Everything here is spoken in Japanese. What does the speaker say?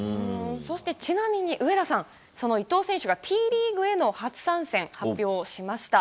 そしてちなみに上田さん、その伊藤選手がＴリーグへの初参戦、発表しました。